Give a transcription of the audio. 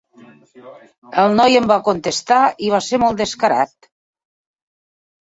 El noi em va contestar i va ser molt descarat.